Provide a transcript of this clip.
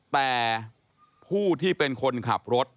แต่ผู้ที่เป็นคนขับรถ